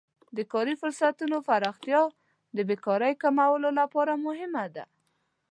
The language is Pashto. د کاري فرصتونو پراختیا د بیکارۍ کمولو لپاره مهمه ده.